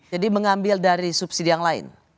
jadi mengambil dari subsidi yang lain